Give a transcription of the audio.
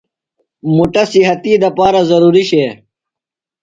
مُٹہ صحتی دپارہ ضروری شئے۔